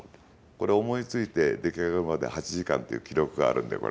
これ思いついて出来上がるまで８時間っていう記録があるんだよ。